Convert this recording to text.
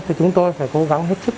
thì chúng tôi phải cố gắng hết sức